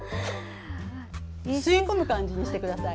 吸い込む感じにしてください。